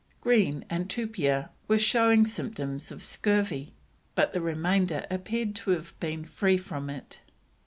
Green and Tupia were showing symptoms of scurvy, but the remainder appear to have been free from it.